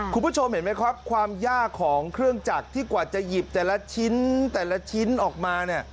คุณผู้ชมเห็นไหมครับความยากของเครื่องจักรที่กว่าจะหยิบแต่ละชิ้นออกมา